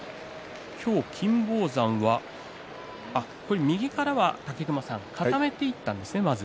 今日、金峰山は右からは固めていったんですね、まず。